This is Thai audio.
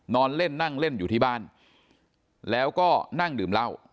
นอนเล่นนั่งเล่นอยู่ที่บ้านแล้วก็นั่งดื่มเหล้า